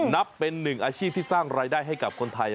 นับเป็นหนึ่งอาชีพที่สร้างรายได้ให้กับคนไทย